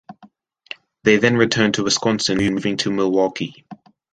They then returned to Wisconsin, moving to Milwaukee.